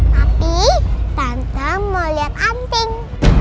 tapi tante mau lihat anting